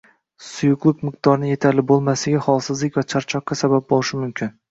Suyuqlik miqdorining yetarli bo‘lmasligi holsizlik va charchoqqa sabab bo‘lishi mumkin